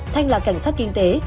thành là cảnh sát kinh tế